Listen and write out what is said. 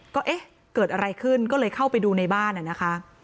ก็เอ๊ะเกิดอะไรขึ้นก็เลยเข้าไปดูในบ้านนะคะ